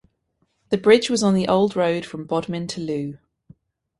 The bridge was on the old road from Bodmin to Looe.